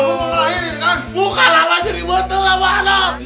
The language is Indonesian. bukan apa aja dibutuh